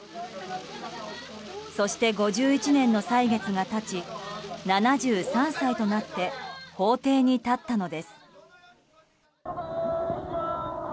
そして、５１年の歳月が経ち７３歳となって法廷に立ったのです。